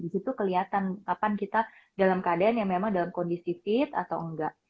di situ kelihatan kapan kita dalam keadaan yang memang dalam kondisi fit atau enggak